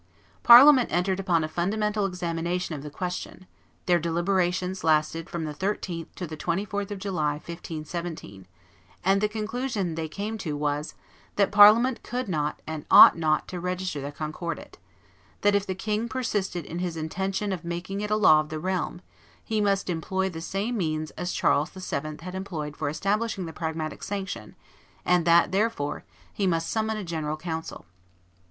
Parliament entered upon a fundamental examination of the question; their deliberations lasted from the 13th to the 24th of July, 1517; and the conclusion they came to was, that Parliament could not and ought not to register the Concordat; that, if the king persisted in his intention of making it a law of the realm, he must employ the same means as Charles VII. had employed for establishing the Pragmatic Sanction, and that, therefore, he must summon a general council.